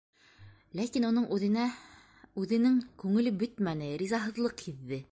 Ләкин уның үҙенә үҙенең күңеле бөтмәне, ризаһыҙлыҡ һиҙҙе.